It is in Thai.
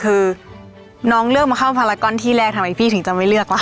๓เขาเลือกมาเข้าฟาราก้อนที่แรกทำไมพี่ถึงจะไม่เลือกแล้ว